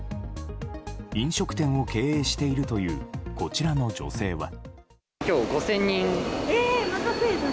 飲食店を経営しているというこちらの女性は。